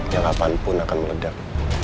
yang kapanpun akan meledak